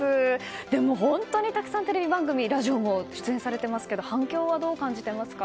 本当にたくさんテレビ番組ラジオも出演されていますが反響はどう感じていますか？